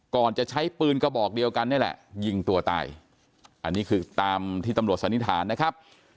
ก่อนจะใช้ปืนกระบอกเดียวกันนี่แหละยิงตัวตายอันนี้คือตามที่ตำรวจสันนิษฐานนะครับ